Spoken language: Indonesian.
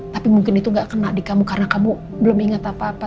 tapi mungkin itu gak kena di kamu karena kamu belum ingat apa apa